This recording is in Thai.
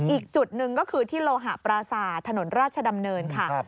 อีกจุดหนึ่งก็คือที่โลหะปราศาสตร์ถนนราชดำเนินค่ะ